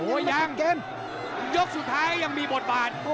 โดยยกสุดท้ายยังมีบอทฟาน